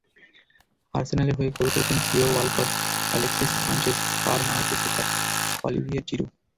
আর্সেনালের হয়ে গোল করেছেন Theo Walcott, Alexis Sanchez, Per Mertesacker, Olivier zero.